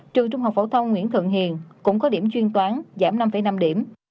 trường trung học phổ thông nguyễn thượng hiền cũng có điểm chuyên toán giảm năm năm điểm